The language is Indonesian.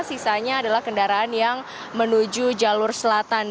sisanya adalah kendaraan yang menuju jalur selatan